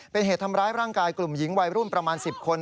เป็นเหตุทำร้ายร่างกายกลุ่มหญิงวัยรุ่นประมาณ๑๐คน